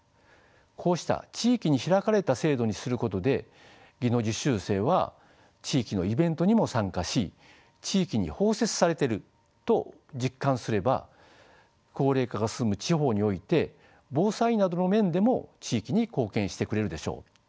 こうした地域に開かれた制度にすることで技能実習生は地域のイベントにも参加し地域に包摂されてると実感すれば高齢化が進む地方において防災などの面でも地域に貢献してくれるでしょう。